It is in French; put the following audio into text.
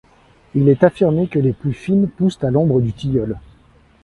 Il est affirmé que les plus fines poussent à l'ombre du tilleul.